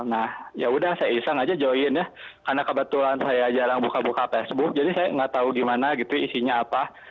nah yaudah saya iseng aja join ya karena kebetulan saya jarang buka buka facebook jadi saya nggak tahu di mana gitu isinya apa